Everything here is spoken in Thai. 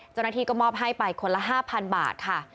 เจ้าหน้าที่ก็มอบให้ไปคนละ๕๐๐๐บาทค่ะ